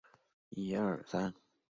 异囊地蛛为地蛛科地蛛属的动物。